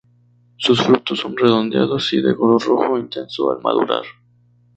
Sus frutos son redondeados y de color rojo intenso al madurar.